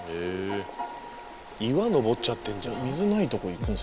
岩登っちゃってんじゃん。